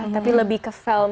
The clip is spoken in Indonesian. tapi lebih ke film